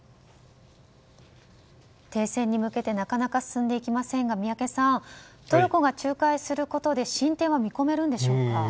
停戦に向けてなかなか進んでいきませんが宮家さんトルコが仲介することで進展は見込めるんでしょうか。